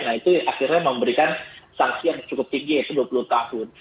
nah itu akhirnya memberikan sanksi yang cukup tinggi yaitu dua puluh tahun